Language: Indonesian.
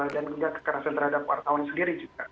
dan juga kekerasan terhadap wartawan sendiri juga